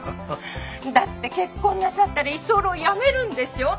だって結婚なさったら居候やめるんでしょ？